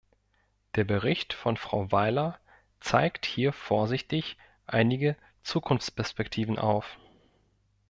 Der Bericht von Frau Weiler zeigt hier vorsichtig einige Zukunftsperspektiven auf.